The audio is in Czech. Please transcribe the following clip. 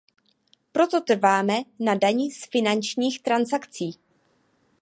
Proto trváme na dani z finančních transakcí.